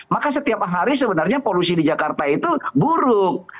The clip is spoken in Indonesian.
maka setiap hari sebenarnya polusi di jakarta itu buruk